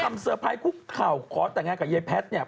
หลังจากคำเซอร์ไพคุกข่าวขอแต่งงานกับเฮ้ยแพทเนี่ย